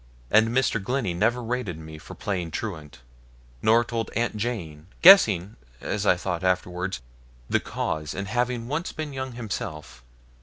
And Mr. Glennie never rated me for playing truant, nor told Aunt Jane, guessing, as I thought afterwards, the cause, and having once been young himself.